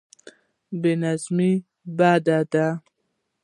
بې نظمي بد دی.